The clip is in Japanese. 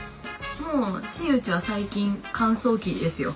もう新内は最近乾燥機ですよ。